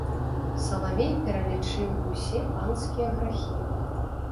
Салавей пералічыў усе панскія грахі.